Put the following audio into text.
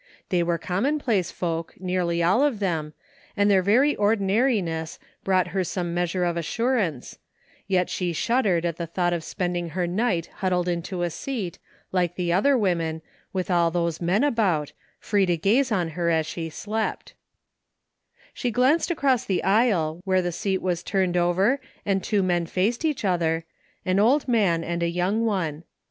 They were commonplace folk, nearly all of them, and their very ordinariness brought her some measure of assurance, yet she shud dered at the thought of spending her night huddled into a seat, like the other women, with all those men about, free to gaze on her as she slept She glanced actx)ss the aisle where the seat was turned over and two men faced each other, an old man and a young one.